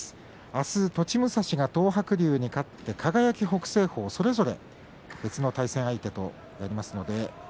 あす栃武蔵が東白龍に勝って輝、北青鵬がそれぞれ別の対戦相手と対戦します。